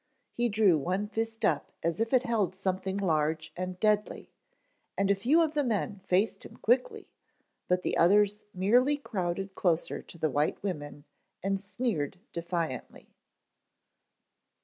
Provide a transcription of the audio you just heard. He drew one fist up as if it held something large and deadly, and a few of the men faced him quickly, but the others merely crowded closer to the white women and sneered defiantly.